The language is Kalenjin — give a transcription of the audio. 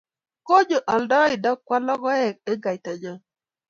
Konyo aldoinde koal logoek eng' kaitanyo